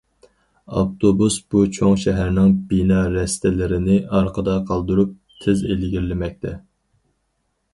ئاپتوبۇس بۇ چوڭ شەھەرنىڭ بىنا، رەستىلىرىنى ئارقىدا قالدۇرۇپ تېز ئىلگىرىلىمەكتە.